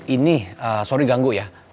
ini sorry ganggu ya